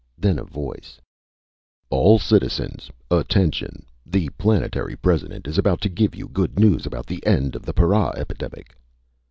Then a voice: "_All citizens attention! The Planetary President is about to give you good news about the end of the para epidemic!